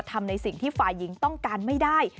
ทำในสิ่งที่ฝ่ายหญิงต้องการไม่ได้